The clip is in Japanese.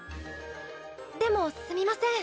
でもすみません